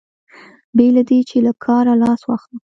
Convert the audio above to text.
بې له دې چې له کاره لاس واخلم.